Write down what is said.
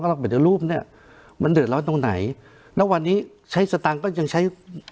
เราเป็นแต่รูปเนี้ยมันเดือดร้อนตรงไหนแล้ววันนี้ใช้สตางค์ก็ยังใช้